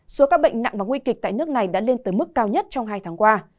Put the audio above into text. số các bệnh nặng và nguy kịch tại nước này đã lên tới mức cao nhất trong hai tháng qua